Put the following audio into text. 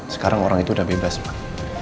sekarang orang itu udah bebas pak